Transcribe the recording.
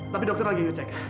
tapi dokter lagi ngecek